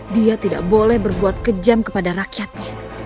dia tidak boleh berbuat kejam kepada rakyatnya